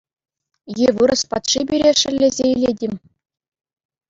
Е вырӑс патши пире шеллесе илет-им?